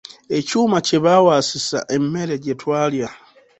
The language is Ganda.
Ekyuma kye bawaasisa emmere gye twalya.